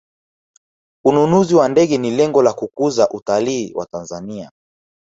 ununuzi wa ndege ni lengo la kukuza utalii wa tanzania